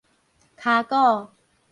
跤股